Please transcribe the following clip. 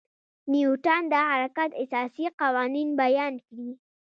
نیوټن د حرکت اساسي قوانین بیان کړي.